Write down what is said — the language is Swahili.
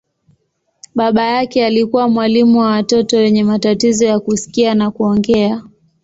Baba yake alikuwa mwalimu wa watoto wenye matatizo ya kusikia na kuongea.